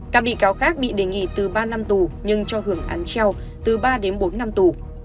các bị cáo khác bị đề nghị từ ba năm tù nhưng cho hưởng án treo từ ba đến bốn năm tù